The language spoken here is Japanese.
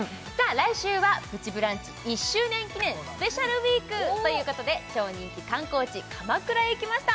来週は「プチブランチ」１周年記念スペシャルウィーク！ということで超人気観光地鎌倉へ行きました